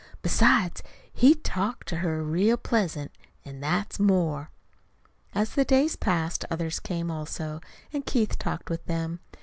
"Besides, he talked to her real pleasant an' that's more." As the days passed, others came, also, and Keith talked with them.